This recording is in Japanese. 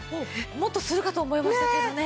もっとするかと思いましたけどね。